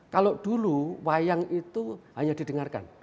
kalau dulu wayang itu hanya didengarkan